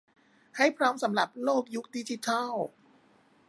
ให้พร้อมสำหรับโลกยุคดิจิทัล